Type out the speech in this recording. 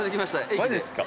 マジっすか。